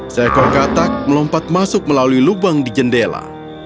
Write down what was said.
seekor katak melompat masuk melalui lubang di jendela